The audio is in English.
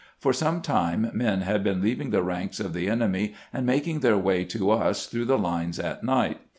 For some time men had been leaving the ranks of the enemy and making their way to us through the lines at night.